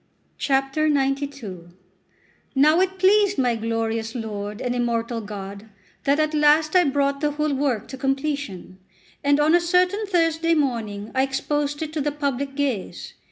XCII NOW it pleased my glorious Lord and immortal God that at last I brought the whole work to completion: and on a certain Thursday morning I exposed it to the public gaze.